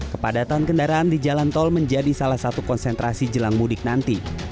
kepadatan kendaraan di jalan tol menjadi salah satu konsentrasi jelang mudik nanti